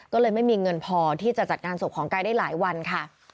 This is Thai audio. ก็เลยไม่มีเงินพอที่จะจัดงานศพของกายได้หลายวันค่ะ